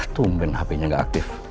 tumben hp nya nggak aktif